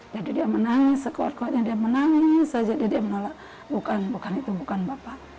jadi dia menangis sekuat kuatnya dia menangis jadi dia menolak bukan bukan itu bukan bapak